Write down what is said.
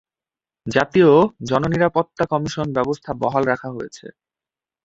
জাতীয় জননিরাপত্তা কমিশন ব্যবস্থা বহাল রাখা হয়েছে।